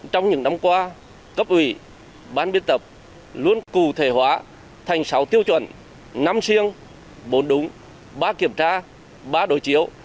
trong những năm qua cấp ủy ban biên tập luôn cụ thể hóa thành sáu tiêu chuẩn năm riêng bốn đúng ba kiểm tra ba đối chiếu